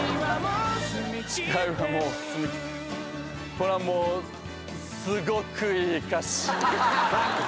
これはもうすごくいい歌詞。